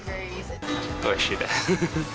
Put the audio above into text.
おいしいです。